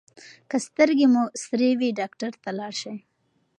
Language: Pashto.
که سترګې مو سرې وي ډاکټر ته لاړ شئ.